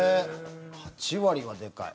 ８割はでかい。